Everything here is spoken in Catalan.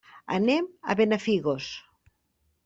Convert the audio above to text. Anem a Benafigos.